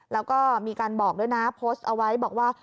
แล้วก็มีการบอกด้วยนะโพสต์เอาไว้บอกว่า